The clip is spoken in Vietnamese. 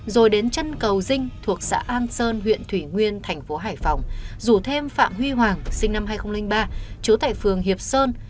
rồi đến chân cầu dinh thuộc xã an sơn huyện thủy nguyên thành phố hải phòng rủ thêm phạm huy hoàng sinh năm hai nghìn ba trú tại phường hiệp sơn